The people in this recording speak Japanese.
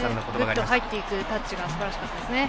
グッと入っていくタッチがすばらしかったですね。